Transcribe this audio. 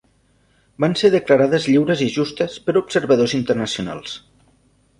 Van ser declarades lliures i justes per observadors internacionals.